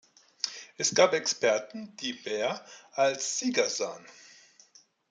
Es gab Experten, die Baer als Sieger sahen.